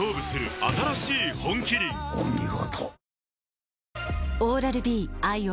お見事。